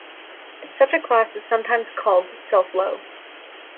Such a class is sometimes called "self-low".